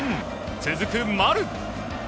続く丸。